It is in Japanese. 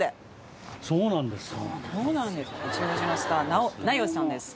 そうなんですよ。